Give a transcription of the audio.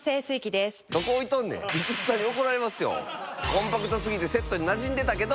コンパクト過ぎてセットになじんでたけど！